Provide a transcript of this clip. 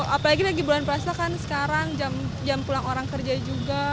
apalagi lagi bulan puasa kan sekarang jam pulang orang kerja juga